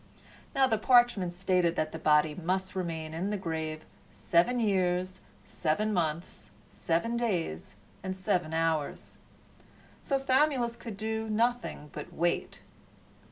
Now the parchment stated that the body must remain in the grave seven years, seven months, seven days and seven hours; so Famulus could do nothing but wait.